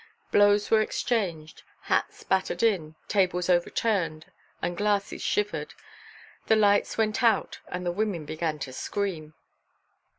Blows were exchanged, hats battered in, tables overturned, and glasses shivered; the lights went out and the women began to scream.